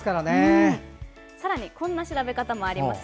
さらに、こんな調べ方もあります。